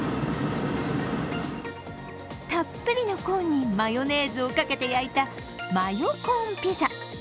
たっぷりのコーンにマヨネーズをかけて焼いたマヨコーンピザ。